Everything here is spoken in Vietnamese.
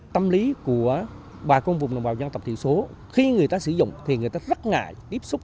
tâm lý của bà con vùng đồng bào dân tộc thiểu số khi người ta sử dụng thì người ta rất ngại tiếp xúc